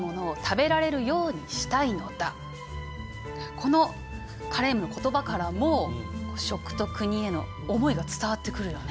このカレームの言葉からも食と国への思いが伝わってくるよね。